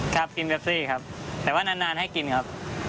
ครับกินเวฟซี่ครับแต่ว่านานให้กินครับ